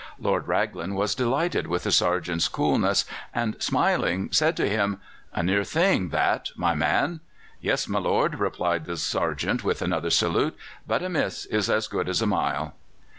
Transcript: Lord Raglan was delighted with the sergeant's coolness, and, smiling, said to him: "A near thing that, my man!" "Yes, my lord," replied the sergeant, with another salute; "but a miss is as good as a mile."